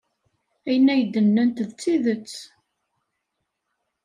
Ayen ay d-nnant d tidet.